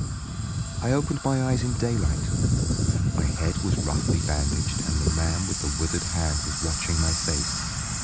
I opened my eyes in daylight. My head was roughly bandaged, and the man with the withered hand was watching my face.